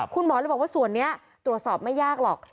คุณหมอเลยบอกว่าส่วนนี้ตรวจสอบไม่ยากหรอก